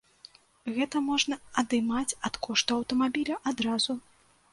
Гэта можна адымаць ад кошту аўтамабіля адразу.